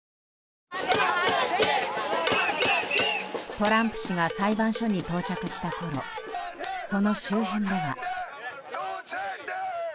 トランプ氏が裁判所に到着したころその周辺では。